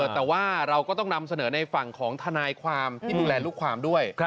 แต่ว่าเราก็ต้องนำเสนอในฝั่งของทนายความที่ดูแลลูกความด้วย